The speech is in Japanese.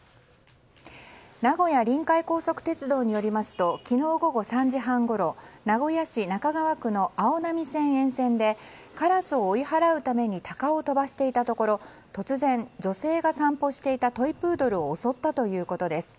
名古屋臨海高速鉄道によりますと昨日午後３時半ごろ名古屋市中川区のあおなみ線沿線でカラスを追い払うためにタカを飛ばしていたところ突然、女性が散歩していたトイプードルを襲ったということです。